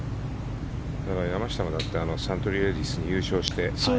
山下だってサントリーレディスに優勝して。